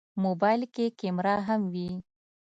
موبایل کې کیمره هم وي.